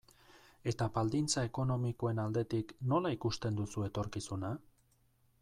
Eta baldintza ekonomikoen aldetik, nola ikusten duzu etorkizuna?